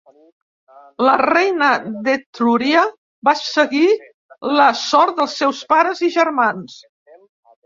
La reina d'Etrúria va seguir la sort dels seus pares i germans.